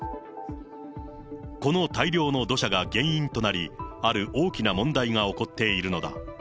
この大量の土砂が原因となり、ある大きな問題が起こっているのだ。